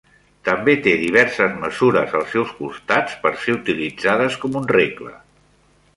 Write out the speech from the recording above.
També té diverses mesures als seus costats per ser utilitzades com un regle.